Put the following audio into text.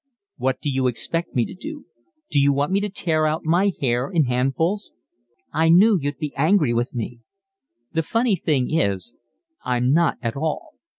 "What do you expect me to do? Do you want me to tear out my hair in handfuls?" "I knew you'd be angry with me." "The funny thing is, I'm not at all.